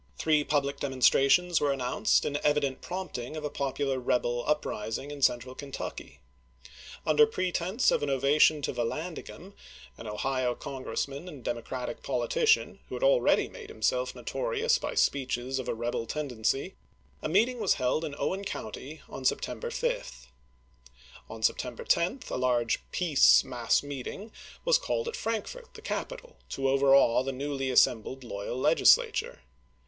Three public demonstrations were announced in evident prompting of a popular rebel uprising in central Kentucky. Under pretense of an ovation to Vallandigham, an Ohio Congi^essman and Demo cratic politician, who had abeady made himself notorious by speeches of a rebel tendency, a meet ing was held in Owen County on September 5. On 1861. September 10 a large " peace " mass meeting was called at Frankfort, the capital, to overawe the newly assembled loyal Legislature.